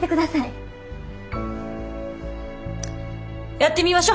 やってみましょ。